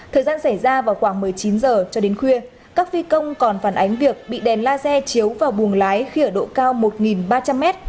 thời gian xảy ra vào khoảng một mươi chín h cho đến khuya các phi công còn phản ánh việc bị đèn laser chiếu vào buồng lái khi ở độ cao một ba trăm linh m